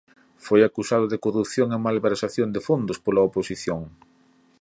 Foi acusado de corrupción e malversación de fondos pola oposición.